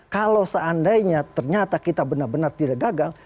kalau seandainya ternyata kita benar benar tidak gagal